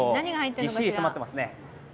ぎっしり詰まってますね。